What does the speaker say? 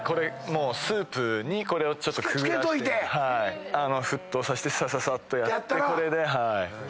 スープにこれをちょっとくぐらして沸騰させてさささっとやってこれではい。